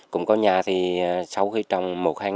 cũng có nhà thì sau khi trồng một hai